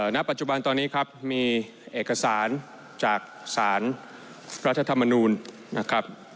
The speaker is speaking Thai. ณปัจจุบันตอนนี้ครับมีเอกสารจากสารรัฐธรรมนูลนะครับ